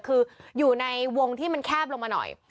คืออยู่ในวงที่มันแคบลงมาหน่อย